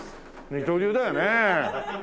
二刀流だよねえ。